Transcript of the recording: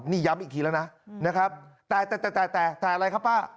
นี่ย้ำอีกทีแล้วนะนะครับแต่แต่อะไรครับป้า